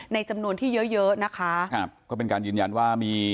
จำนวนที่เยอะเยอะนะคะครับก็เป็นการยืนยันว่ามี